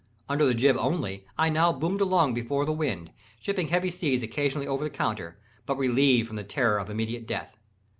Under the jib only, I now boomed along before the wind, shipping heavy seas occasionally over the counter, but relieved from the terror of immediate death.